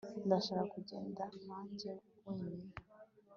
ndashaka kugenda nkanjye wenyine